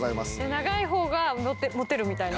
長い方がモテるみたいな？